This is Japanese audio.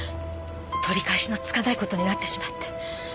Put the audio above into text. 取り返しのつかないことになってしまって。